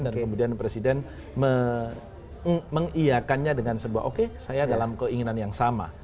dan kemudian presiden mengiyakannya dengan sebuah oke saya dalam keinginan yang sama